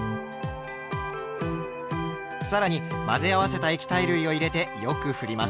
更に混ぜ合わせた液体類を入れてよくふります。